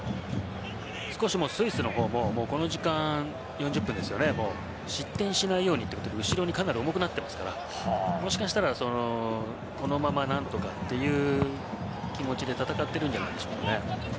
スイスの方もこの時間４０分ですよね、もう失点しないようにということで後ろにかなり重くなってますからもしかしたらこのまま何とかという気持ちで戦っているんじゃないでしょうかね。